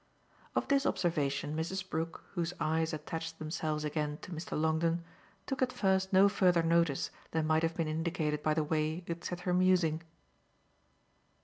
Of this observation Mrs. Brook, whose eyes attached themselves again to Mr. Longdon, took at first no further notice than might have been indicated by the way it set her musing.